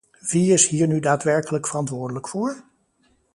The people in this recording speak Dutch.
Wie is hier nu daadwerkelijk verantwoordelijk voor?